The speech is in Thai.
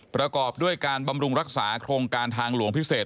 ประกอบด้วยการบำรุงรักษาโครงการทางหลวงพิเศษ